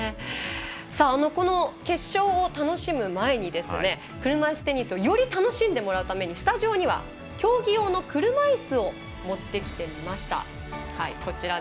この決勝を楽しむ前に車いすテニスをより楽しんでもらうためにスタジオには、競技用の車いすを持ってきてみました。